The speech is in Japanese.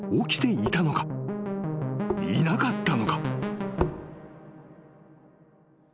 いなかったのか？］